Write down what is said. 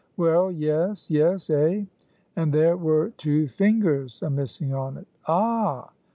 "Well, yes! yes! eh!" "And there were two fingers a missing on it!" "Ah!"